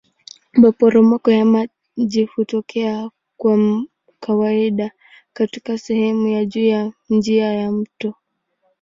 Maporomoko ya maji hutokea kwa kawaida katika sehemu za juu ya njia ya mto.